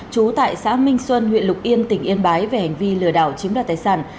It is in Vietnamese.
trú tại xã minh xuân huyện lục yên tỉnh yên bái về hành vi lừa đảo chiếm đoạt tài sản